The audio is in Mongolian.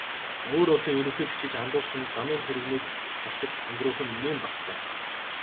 Өөр улсын ерөнхийлөгч гэж андуурсан замын тэрэгнүүд зогсож өнгөрөөх нь нэн бахтай.